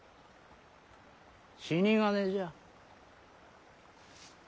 死に金じゃ。